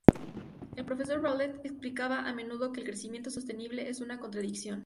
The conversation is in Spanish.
El profesor Bartlett explicaba a menudo que el crecimiento sostenible es una contradicción.